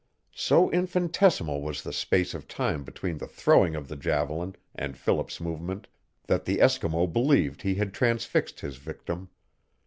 So infinitesimal was the space of time between the throwing of the javelin and Philip's movement that the Eskimo believed he had transfixed his victim.